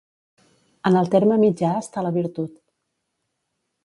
En el terme mitjà està la virtut.